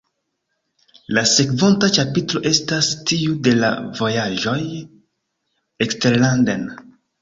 La sekvonta ĉapitro estas tiu de la vojaĝoj eksterlanden.